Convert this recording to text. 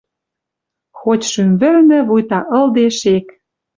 Хоть шӱм вӹлнӹ вуйта ылде шек.